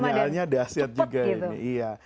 pahalnya dasyat juga